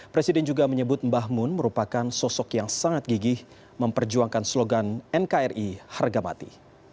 presiden juga menyebut mbah mun merupakan sosok yang sangat gigih memperjuangkan slogan nkri harga mati